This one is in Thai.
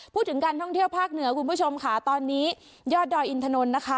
พูดถึงการท่องเที่ยวภาคเหนือคุณผู้ชมค่ะตอนนี้ยอดดอยอินทนนท์นะคะ